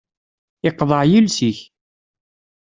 Iqḍeε yiles-ik.